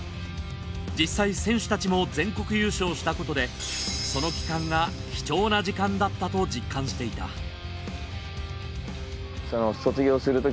実際選手たちも全国優勝したことでその期間が貴重な時間だったと実感していたさあ